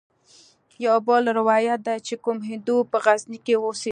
يو بل روايت ديه چې کوم هندو په غزني کښې اوسېده.